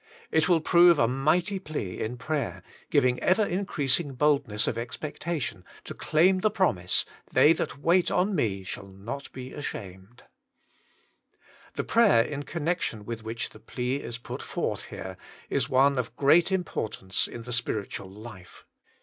It will prove a mighty plea in prayer, giving ever increasing boldness of expectation to claim the promise, * They that wait on Me 4hall not be ashamed ' 1 42 WAITING ON GODt The prayer in connection vrith which the plea is put forth here is one of great importance in the spiritual life.